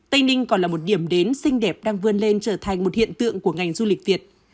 tây ninh còn là một điểm đến xinh đẹp đang vươn lên trở thành một hiện tượng của ngành du lịch việt